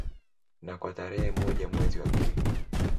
Na kwa tarehe moja mwezi wa pili